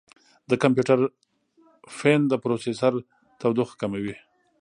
د کمپیوټر فین د پروسیسر تودوخه کموي.